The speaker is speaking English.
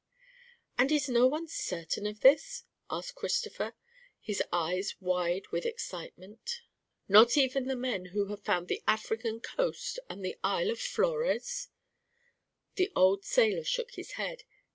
"And is no one certain of this?" asked Christopher, his eyes wide with excitement. "Not even the men who have found the African coast and the isle of Flores?" The old sailor shook his head.